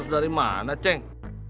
delapan ratus dari mana ceng